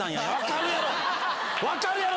分かるやろ！